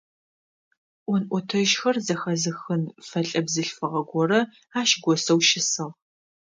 Ӏон-ӏотэжьхэр зэхэзыхын фэлӏэ бзылъфыгъэ горэ ащ госэу щысыгъ.